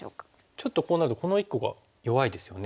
ちょっとこうなるとこの１個が弱いですよね。